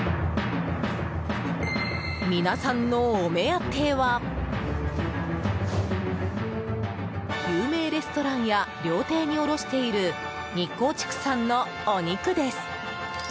皆さんのお目当ては有名レストランや料亭に卸している日光畜産のお肉です。